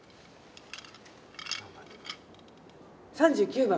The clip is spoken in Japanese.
３９番。